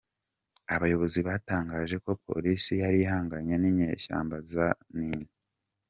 Abayobozi batangaje ko polisi yari ihanganye n’inyeshyamba za Ninjas.